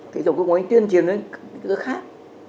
thế rồi cũng có một cái tiên triển lên cái nơi khác